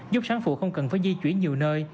giúp sáng phụ không cần phải di chuyển nhiều nơi